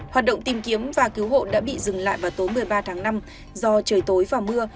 hoạt động tìm kiếm và cứu hộ đã bị dừng lại vào tối một mươi ba tháng năm do trời tối và mưa